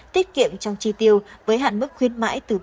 tiết kiệm trong chi tiêu với hạn mức khuyến mãi từ ba mươi đến bảy mươi